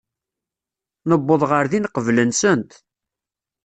Newweḍ ɣer din qbel-nsent.